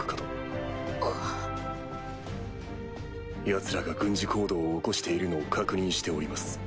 ヤツらが軍事行動を起こしているのを確認しております。